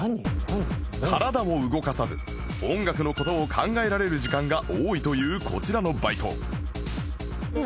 体を動かさず音楽の事を考えられる時間が多いというこちらのバイト何？